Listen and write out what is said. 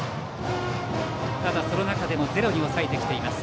その中でもゼロに抑えてきています